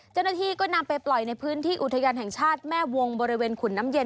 เจ้าหน้าที่ก็นำไปปล่อยในพื้นที่อุทยานแห่งชาติแม่วงบริเวณขุนน้ำเย็น